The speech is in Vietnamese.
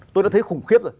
tôi đã thấy khủng khiếp rồi